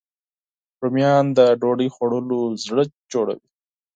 رومیان د ډوډۍ خوړلو زړه جوړوي